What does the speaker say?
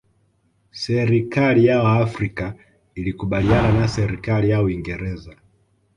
serikali ya waafrika ilikubaliana na serikali ya uingereza